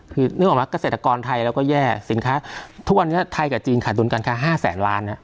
คือนึกออกมั้เกษตรกรไทยเราก็แย่สินค้าทุกวันนี้ไทยกับจีนขาดดุลการค้า๕แสนล้าน